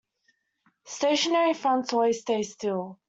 Stationary fronts always stay still.